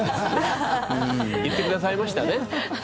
言ってくださいましたね。